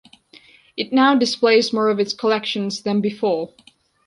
It now displays more of its collections than before.